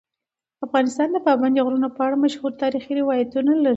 افغانستان د پابندی غرونه په اړه مشهور تاریخی روایتونه لري.